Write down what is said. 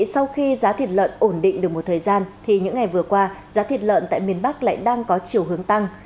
sau khi giá thịt lợn ổn định được một thời gian thì những ngày vừa qua giá thịt lợn tại miền bắc lại đang có chiều hướng tăng